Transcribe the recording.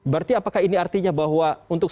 berarti apakah ini artinya bahwa untuk